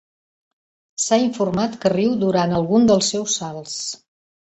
S'ha informat que riu durant alguns dels seus salts.